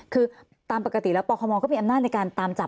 คือตามปกติแล้วปคมก็มีอำนาจในการตามจับ